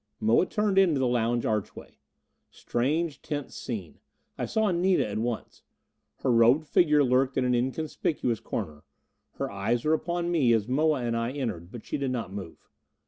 Moa turned into the lounge archway. Strange, tense scene. I saw Anita at once. Her robed figure lurked in an inconspicuous corner; her eyes were upon me as Moa and I entered, but she did not move.